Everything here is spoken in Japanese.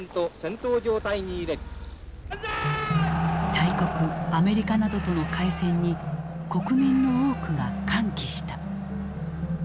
大国アメリカなどとの開戦に国民の多くが歓喜した。